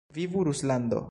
Vivu Ruslando!